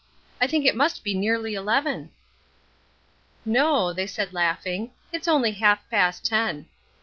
I think it must be nearly eleven." "No," they said laughing, "it is only half past ten."